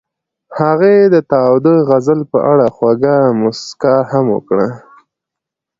هغې د تاوده غزل په اړه خوږه موسکا هم وکړه.